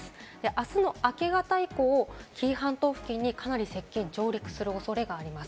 あすの明け方以降、紀伊半島付近にかなり接近、上陸するおそれがあります。